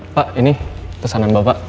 pak ini pesanan bapak